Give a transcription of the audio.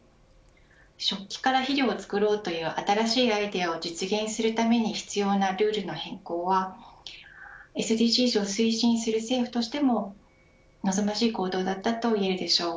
食器から肥料を作ろうという新しいアイデアを実現するために必要なルールの変更はＳＤＧｓを推進する政府としても望ましい行動だったといえるでしょう。